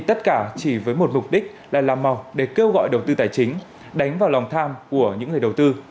tất cả chỉ với một mục đích là làm màu để kêu gọi đầu tư tài chính đánh vào lòng tham của những người đầu tư